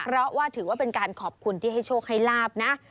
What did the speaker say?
เพราะว่าถือว่าเป็นการขอบคุณที่ให้โชคให้ลาบนะ